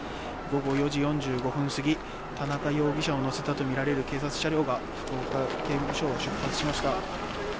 午後４時４５分過ぎ田中容疑者を乗せたとみられる警察車両が、福岡刑務所を出発しました。